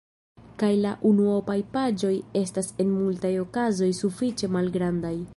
Kaj la unuopaj paĝoj estas en multaj okazoj sufiĉe malgrandaj.